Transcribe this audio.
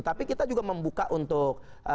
tapi kita juga membuka untuk